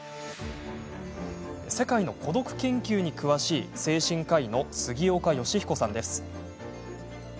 世界の孤独研究に詳しい精神科医の杉岡良彦さんです。